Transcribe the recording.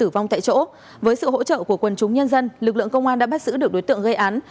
với sự hỗ trợ của quân chúng nhân dân lực lượng công an đã bắt giữ được đối tượng gây án